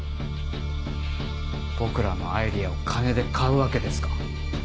僕らのアイデアを金で買うわけですか。